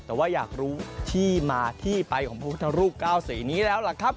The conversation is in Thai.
แต่ว่าอยากรู้ที่มาที่ไปของพระพุทธรูปเก้าสีนี้แล้วล่ะครับ